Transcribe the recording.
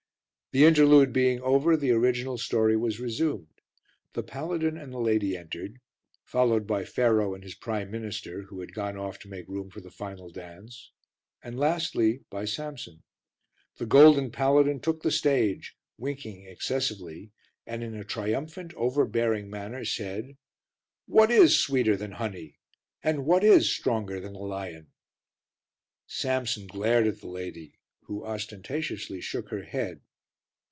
The interlude being over, the original story was resumed. The paladin and the lady entered, followed by Pharaoh and his prime minister, who had gone off to make room for the final dance, and lastly, by Samson. The golden paladin took the stage, winking excessively, and, in a triumphant, overbearing manner, said "What is sweeter than honey? and what is stronger than a lion?" Samson glared at the lady who ostentatiously shook her head.